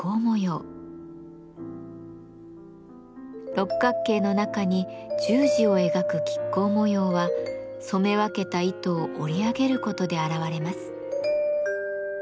六角形の中に十字を描く亀甲模様は染め分けた糸を織り上げることで現れます。